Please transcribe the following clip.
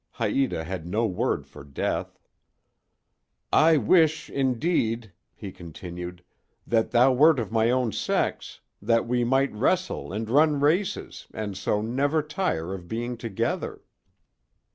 Haïta had no word for death. "I wish, indeed," he continued, "that thou wert of my own sex, that we might wrestle and run races and so never tire of being together."